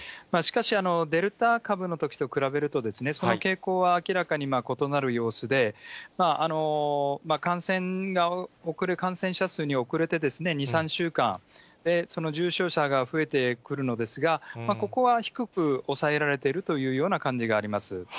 しかし、デルタ株のときと比べると、その傾向は明らかに異なる様子で、感染者数に遅れて２、３週間、その重症者が増えてくるのですが、ここは低く抑えられてるというような感じがあります。